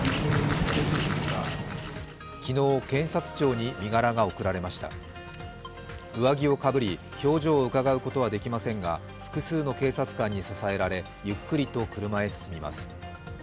昨日、検察庁に身柄が送られました上着をかぶり、表情をうかがうことはできませんが、複数の警察官に支えられゆっくりと車へ進みます。